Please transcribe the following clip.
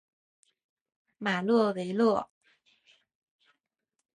马勒维勒。